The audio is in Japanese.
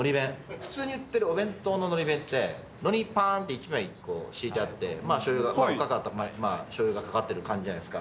普通に売ってるお弁当ののり弁って、のり、ぱーんて１枚敷いてあって、しょうゆが、しょうゆがかかってる感じじゃないですか。